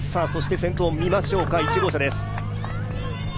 先頭、見ましょうか、１号車です。